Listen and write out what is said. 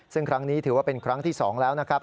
ซึ่งครั้งนี้ถือว่าเป็นครั้งที่๒แล้วนะครับ